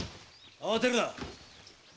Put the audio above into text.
慌てるな！